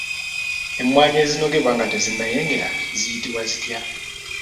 Emmwanyi ezinogebwa nga tezinnayengera ziyitibwa zitya?